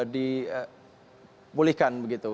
dan juga memulihkan begitu